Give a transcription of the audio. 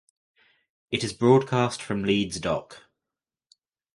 It is broadcast from Leeds Dock.